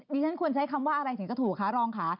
ดิฉันควรใช้คำว่าอะไรถึงจะถูกคะรองค่ะ